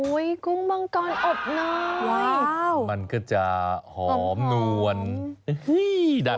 โอ้ยกุ้งมังกรอบน้อยว้าวมันก็จะหอมนวลอื้อหวี